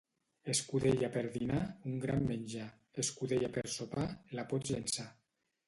Escudella per dinar, un gran menjar; escudella per sopar, la pots llençar.